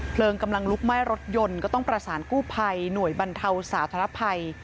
กำลังลุกไหม้รถยนต์ก็ต้องประสานกู้ภัยหน่วยบรรเทาสาธารณภัย